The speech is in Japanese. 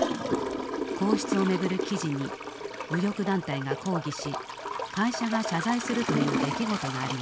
皇室を巡る記事に右翼団体が抗議し会社が謝罪するという出来事がありました。